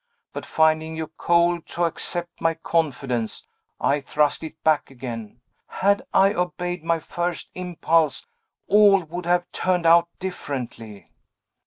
But finding you cold to accept my confidence, I thrust it back again. Had I obeyed my first impulse, all would have turned out differently."